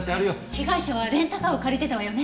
被害者はレンタカーを借りてたわよね。